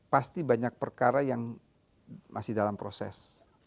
pasti banyak perkara yang masih dalam proses